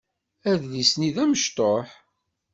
Adlis-nni d amecṭuḥ.